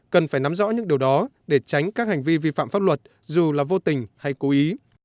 cần phải nắm rõ những điều đó để tránh các hành vi vi phạm pháp luật dù là vô tình hay cố ý